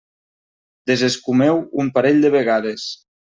Desescumeu un parell de vegades.